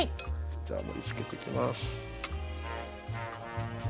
じゃ盛りつけていきます。